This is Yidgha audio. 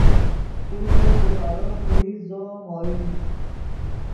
تو کہ دیبارو ݰوئیت زو ام اوئیم